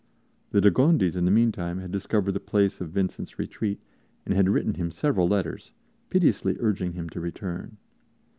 The de Gondis, in the meantime, had discovered the place of Vincent's retreat and had written him several letters, piteously urging him to return.